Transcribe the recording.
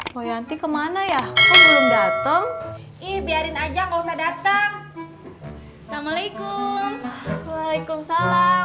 boyanti kemana ya belum dateng ih biarin aja nggak usah dateng assalamualaikum waalaikumsalam